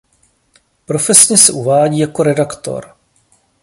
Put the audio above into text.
Profesně se uvádí jako redaktor.